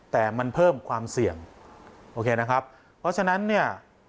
แต่มันเพิ่มความเสี่ยงโอเคนะครับเพราะฉะนั้นเนี่ย